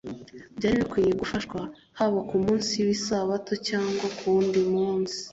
byari bikwinye gufashwa haba ku munsi w'isabato cyangwa ku wundi munsi.